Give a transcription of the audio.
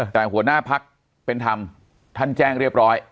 แต่หัวหน้าพักเป็นธรรมท่านแจ้งเรียบร้อย